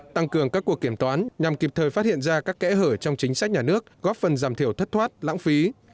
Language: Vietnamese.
tăng cường các cuộc kiểm toán nhằm kịp thời phát hiện ra các kẽ hở trong chính sách nhà nước góp phần giảm thiểu thất thoát lãng phí